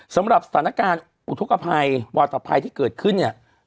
สำหรับสถานการณ์อุทธกภัยวาธภัยที่เกิดขึ้นเนี่ย